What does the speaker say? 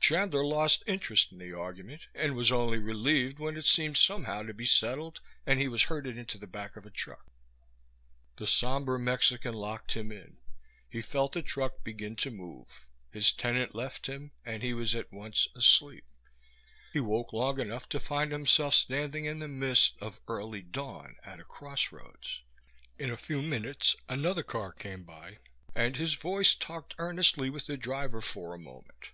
Chandler lost interest in the argument and was only relieved when it seemed somehow to be settled and he was herded into the back of the truck. The somber Mexican locked him in; he felt the truck begin to move; his tenant left him, and he was at once asleep. He woke long enough to find himself standing in the mist of early dawn at a crossroads. In a few minutes another car came by, and his voice talked earnestly with the driver for a moment.